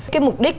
cái mục đích